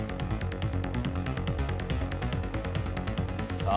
さあ